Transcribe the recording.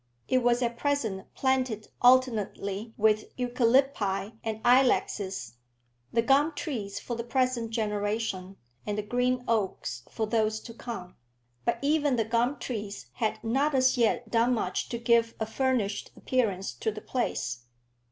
It was at present planted alternately with eucalypti and ilexes the gum trees for the present generation, and the green oaks for those to come; but even the gum trees had not as yet done much to give a furnished appearance to the place.